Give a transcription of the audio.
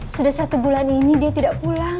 sudah satu bulan ini dia tidak pulang